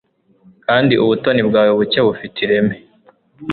kandi ubutoni bwawe buke bufite ireme